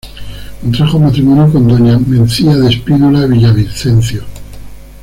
Contrajo matrimonio con Doña Mencía de Spínola Villavicencio.